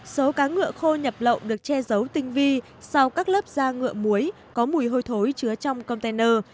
số cá ngựa khô nhập lậu được che giấu tinh vi sau các lớp da ngựa muối có mùi hôi thối chứa trong container